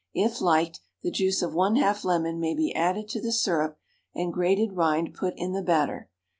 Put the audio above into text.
If liked, the juice of 1/2 lemon may be added to the syrup and grated rind put in the batter.